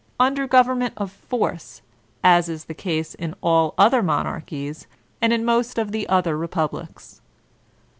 Under government of force, as is the case in all other mon archies, and in most of the other republics.